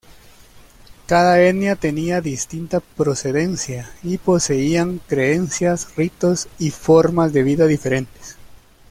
Cada etnia tenia distinta procedencia y poseían creencias, ritos y formas de vida diferentes.